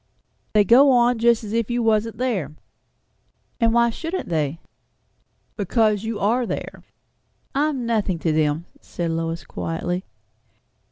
"They go on just as if you wasn't there!" "And why shouldn't they?" "Because you are there." "I am nothing to them," said Lois quietly.